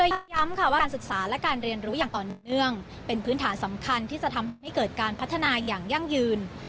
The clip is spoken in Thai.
ย้ำค่ะว่าการศึกษาและการเรียนรู้อย่างต่อเนื่องเป็นพื้นฐานสำคัญที่จะทำให้เกิดการพัฒนาอย่างยั่งยืน